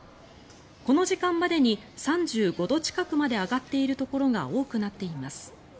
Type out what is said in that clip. この時間までに３５度近くまで上がっているところが多くなっています。